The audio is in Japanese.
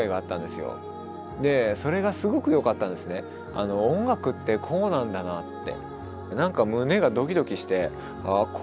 あの音楽ってこうなんだなって。